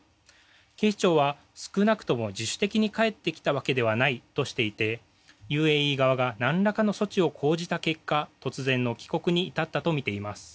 警視庁は、少なくとも自主的に帰ってきたわけではないとしていてＵＡＥ側がなんらかの措置を講じた結果突然の帰国に至ったとみています。